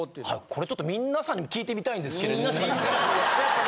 これちょっとみぃんなさんにも聞いてみたいんですけど。